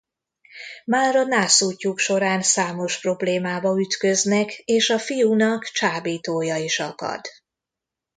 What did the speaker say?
Már a nászútjuk során számos problémába ütköznek és a fiúnak csábítója is akad.